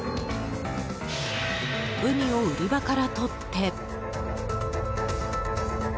ウニを売り場から取って。